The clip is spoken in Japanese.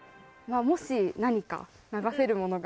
もし何か流せるものがあれば。